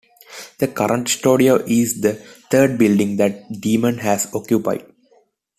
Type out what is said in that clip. The current studio is the third building that Demon has occupied.